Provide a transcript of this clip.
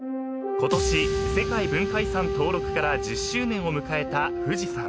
［今年世界文化遺産登録から１０周年を迎えた］